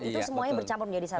itu semuanya bercampur menjadi satu